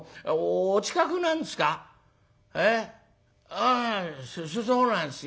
ああそうなんですよ。